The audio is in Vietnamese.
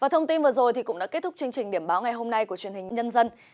thông tin vừa rồi cũng đã kết thúc chương trình điểm báo ngày hôm nay của truyền hình nhân dân